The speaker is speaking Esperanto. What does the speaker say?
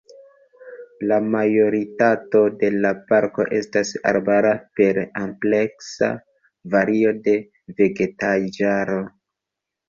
La majoritato de la parko estas arbara per ampleksa vario de vegetaĵaro.